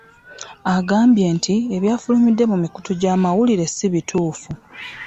Agambye nti, ebyafulumidde mu mikutu gy'amawulire si bituufu